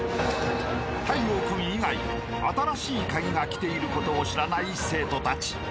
［太陽君以外『新しいカギ』が来ていることを知らない生徒たち］